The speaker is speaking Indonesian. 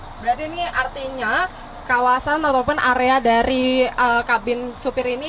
berarti ini artinya kawasan ataupun area dari kabin supir ini